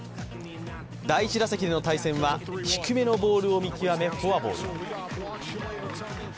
第１打席での対戦は、低めのボールを見極め、フォアボール。